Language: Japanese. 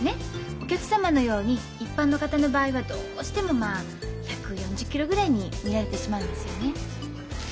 お客様のように一般の方の場合はどうしてもまあ１４０キロぐらいに見られてしまうんですよね。